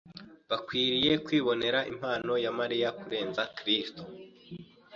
bakwiriye kwibonera impano ya Mariya kurenza Kristo.